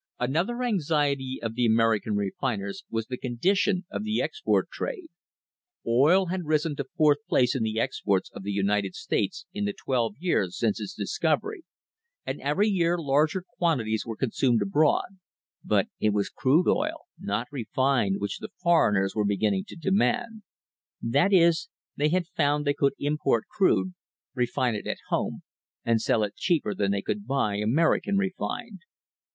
Another anxiety of the American refiners was the condi tion of the export trade. Oil had risen to fourth place in the exports of the United States in the twelve years since its dis covery, and every year larger quantities were consumed abroad, but it was crude oil, not refined, which the foreigners were beginning to demand ; that is, they had found they could import crude, refine it at home, and sell it cheaper than they could buy American refined.